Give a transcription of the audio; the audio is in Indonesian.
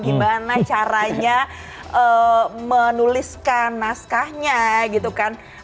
gimana caranya menuliskan naskahnya gitu kan